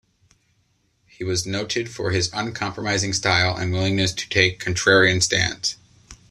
He was noted for his uncompromising style and willingness to take contrarian stands.